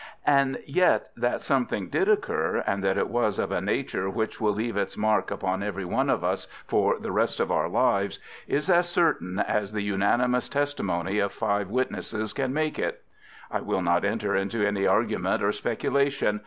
And yet that something did occur, and that it was of a nature which will leave its mark upon every one of us for the rest of our lives, is as certain as the unanimous testimony of five witnesses can make it. I will not enter into any argument or speculation.